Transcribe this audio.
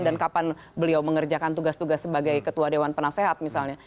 dan kapan beliau mengerjakan tugas tugas sebagai ketua dewan penasehat misalnya